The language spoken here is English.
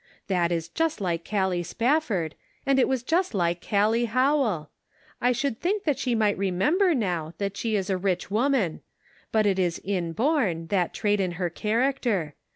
That is just like Callie Spafford, and it was just like Callie Howell. I should think she might remember now, that " G ood Measure." 509 she is a rich woman ; but it is inborn, that trait in her character.